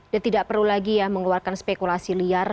dan tidak perlu lagi ya mengeluarkan spekulasi liar